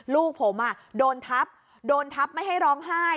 ลูกผมโดนทับโดนทับไม่ให้ร้องไห้